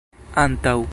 antaŭ